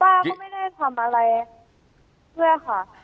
ป้าก็ไม่ได้ทำอะไรด้วยค่ะ